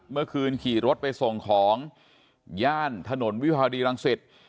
เมื่อคืนขี่รถไปส่งของย่านถนนวิภาวดีรังสิต